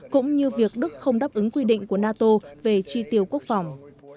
cũng như việc đức không đáp ứng quy định của nato về chi tiêu quốc phòng